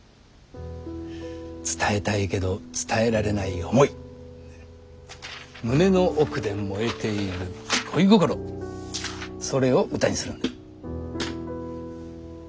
伝えたいけど伝えられない思い胸の奥で燃えている恋心それを歌にするんだ。